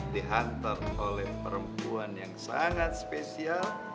dihantar oleh perempuan yang sangat spesial